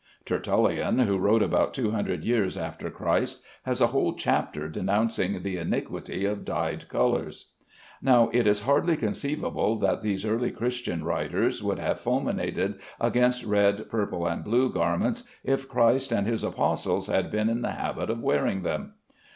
Tertullian, who wrote about two hundred years after Christ, has a whole chapter denouncing the iniquity of dyed colors. Now it is hardly conceivable that these early Christian writers would have fulminated against red, purple, and blue garments if Christ and his apostles had been in the habit of wearing them.